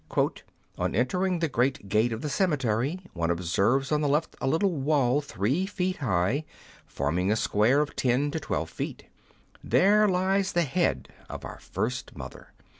" On enter ing the great gate of the cemetery, one observes on the left a little wall three feet high, forming a square of ten to twelve feet There lies the head of our first mother.